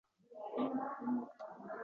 Pastga tushib eski qo‘r-g‘on tarafga yurdi.